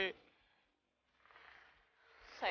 gue kagak mau cari